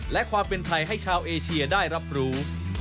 และความเป็นไทยให้ชาวเอเชียได้รับรู้